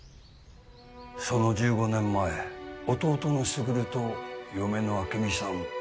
その１５年前弟の卓と嫁の明美さん